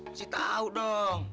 masih tau dong